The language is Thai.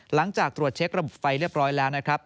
หลังจากตรวจเช็คระบบไฟเรียบร้อยแล้วนะครับ